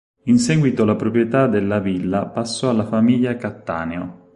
In seguito la proprietà della villa passò alla famiglia Cattaneo.